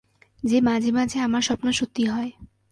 যে মাঝে মাঝে আমার স্বপ্ন সত্যি হয়।